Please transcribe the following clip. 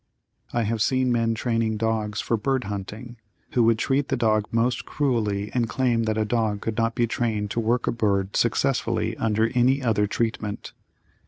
I have seen men training dogs for bird hunting, who would treat the dog most cruelly and claim that a dog could not be trained to work a bird successfully under any other treatment.